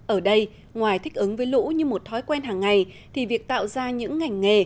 ở đây ngoài thích ứng với lũ như một thói quen hàng ngày thì việc tạo ra những ngành nghề